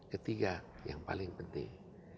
ketiga yang paling penting